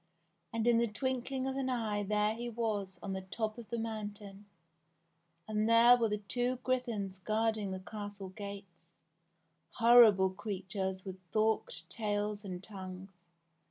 And in the twinkling of an eye there he was on the top of the moun tain ! And there were the two griffins guarding the castle gates — horrible creatures with forked tails and tongues.